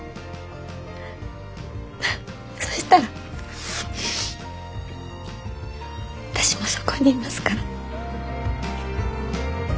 フッそしたら私もそこにいますから。